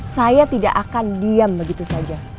saya tidak akan diam begitu saja